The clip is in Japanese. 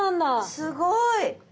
すごい。